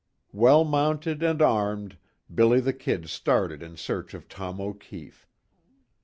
Well mounted and armed, "Billy the Kid" started in search of Tom O'Keefe.